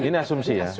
ini asumsi ya